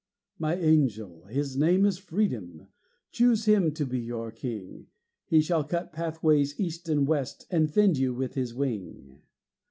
My angel his name is Freedom Choose him to be your king; He shall cut pathways east and west, And fend you with his wing.